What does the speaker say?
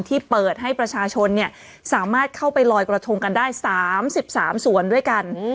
ที่เปิดให้ประชาชนสามารถเข้าไปลอยกระทงกันได้๓๓สวนด้วยกัน